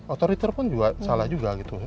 otoriter pun salah juga gitu